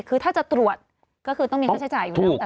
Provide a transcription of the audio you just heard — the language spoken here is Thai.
คือถ้าจะตรวจก็คือต้องมีค่าใช้จ่ายอยู่แล้ว